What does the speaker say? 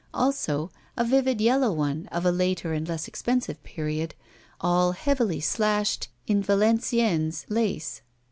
Also a vivid yellow one of a later and less expensive period, all heavily slashed in Valenciennes lace.